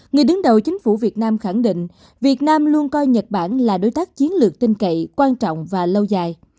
người đứng đầu chính phủ việt nam khẳng định việt nam luôn coi nhật bản là đối tác chiến lược tinh cậy quan trọng và lâu dài